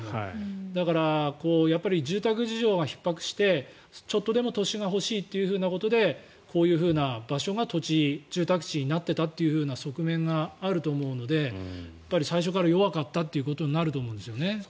だから、住宅事情がひっ迫してちょっとでも土地が欲しいということでこういうふうな場所が土地、住宅地になってた側面があると思うので最初から弱かったということになると思うんですね。